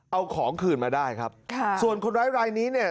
เอาของคืนมาได้ครับค่ะส่วนคนร้ายรายนี้เนี่ย